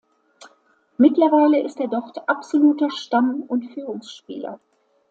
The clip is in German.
Mittlerweile ist er dort absoluter Stamm- und Führungsspieler.